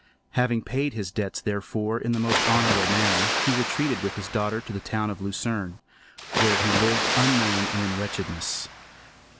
Having paid his debts, therefore, in the most honourable manner, he retreated with his daughter to the town of Lucerne, where he lived unknown and in wretchedness.